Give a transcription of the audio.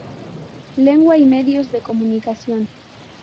Lengua y medios de comunicación.